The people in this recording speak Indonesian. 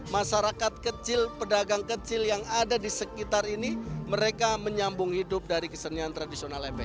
masyarakat kecil pedagang kecil yang ada di sekitar ini mereka menyambung hidup dari kesenian tradisional embek